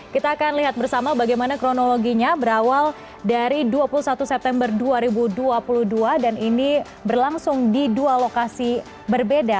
kita akan lihat bersama bagaimana kronologinya berawal dari dua puluh satu september dua ribu dua puluh dua dan ini berlangsung di dua lokasi berbeda